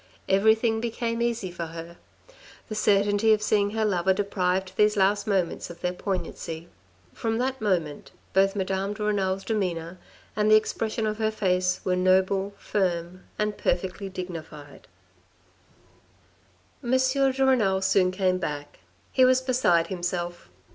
Everything became easy for her. The certainty of seeing her lover deprived these last moments of their poignancy. From that moment, both Madame de Renal's demeanour and the expression of her face were noble, firm, and perfectly dignified. M. de Renal soon came back. He was beside himself.